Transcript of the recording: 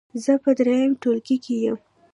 زه په دریم ټولګي کې یم.